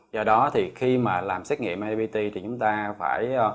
do đó thì khi mà làm xét nghiệm ipt thì chúng ta phải